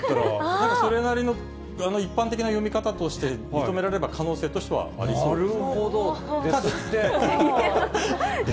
なんかそれなりの一般的な読み方として認められれば可能性としてはありそうですね。